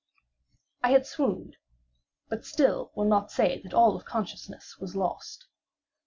I had swooned; but still will not say that all of consciousness was lost.